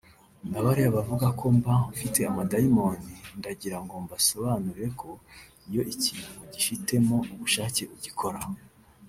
"Na bariya bavuga ngo mba mfite amadayimoni ndagirango mbasobanurire ko iyo ikintu ugifitemo ubushake ugikora’’